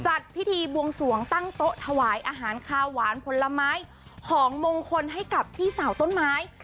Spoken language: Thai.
จัดพิธีบวงสวงตั้งโต๊ะถวายอาหารคาวหวานผลไม้ของมงคลให้กับพี่สาวต้นไม้